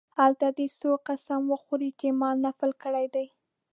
هلته دې څوک قسم وخوري چې ما نفل کړی دی.